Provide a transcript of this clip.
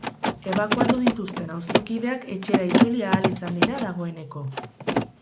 Ebakuatu dituzten auzokideak etxera itzuli ahal izan dira dagoeneko.